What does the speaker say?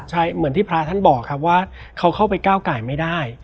ใช่เหมือนที่พระท่านบอกครับว่าเขาเข้าไปก้าวไก่ไม่ได้